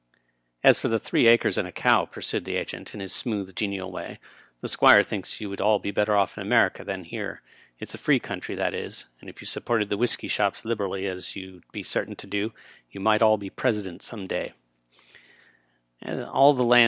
" As for three acres and a cow," pursued the agent, in his smooth, genial way, "the Squire thinks you would all be better off in America than here. It's a free coun try, that is, and if you supported the whisky shops liber ally, as you'd be certain to do, you might all be presi dents some day.